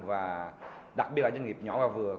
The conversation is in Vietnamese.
và đặc biệt là doanh nghiệp nhỏ và vừa